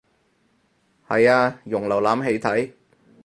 係啊用瀏覽器睇